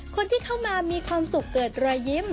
คนที่เข้ามามีความสุขเกิดรอยยิ้ม